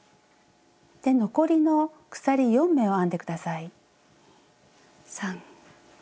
で残りの鎖４目を編んで下さい。